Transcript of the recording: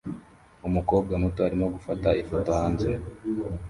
Umukobwa muto arimo gufata ifoto hanze